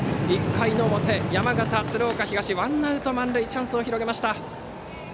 １回の表、山形・鶴岡東ワンアウト満塁とチャンスを広げました。